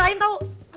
bukan itu ada yang